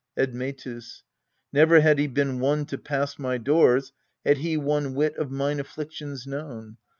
'Admetus. Never had he been won to pass my doors, Had he one whit of mine afflictions known.